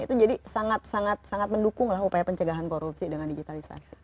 itu jadi sangat sangat mendukunglah upaya pencegahan korupsi dengan digitalisasi